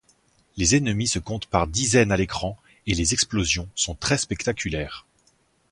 Les ennemis se comptent par dizaine à l'écran et les explosions sont très spectaculaires.